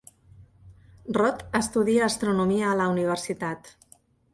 Rod estudia astronomia a la universitat.